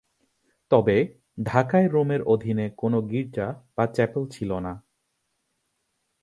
তবে ঢাকায় রোমের অধীনে কোন গির্জা বা চ্যাপেল ছিল না।